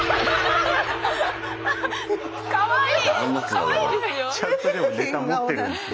かわいい！